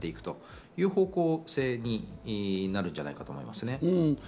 そういう方向性になるんじゃないかなと思いますね。